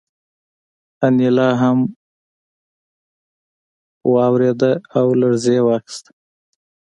انیلا هم وورېده او لړزې واخیسته